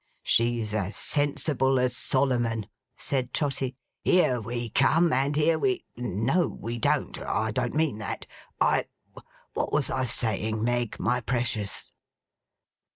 'She's as sensible as Solomon,' said Trotty. 'Here we come and here we—no, we don't—I don't mean that—I—what was I saying, Meg, my precious?